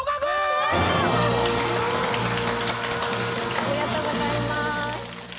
ありがとうございます。